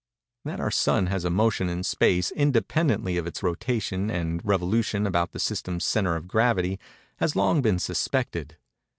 That our Sun has a motion in space, independently of its rotation, and revolution about the system's centre of gravity, has long been suspected.